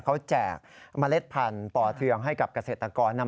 เขาแจกเมล็ดพันธุ์ป่อเทืองให้กับเกษตรกร